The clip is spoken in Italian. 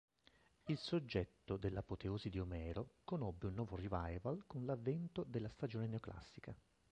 Il soggetto dell'apoteosi di Omero conobbe un nuovo "revival" con l'avvento della stagione neoclassica.